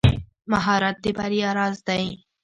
مهارت د بریا راز دی.